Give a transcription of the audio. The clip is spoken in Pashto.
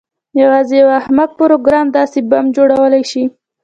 یوازې یو احمق پروګرامر داسې بم جوړولی شي